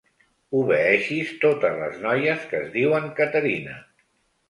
Obeeixis totes les noies que es diuen Caterina.